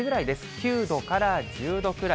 ９度から１０度くらい。